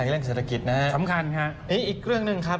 เรื่องเศรษฐกิจนะฮะสำคัญครับอีกเรื่องหนึ่งครับ